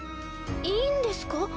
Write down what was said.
いいんですか？